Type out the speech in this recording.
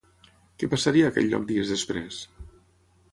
Què passaria a aquell lloc dies després?